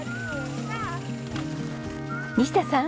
西田さん。